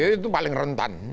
itu paling rentan